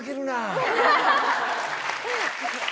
・ハハハ。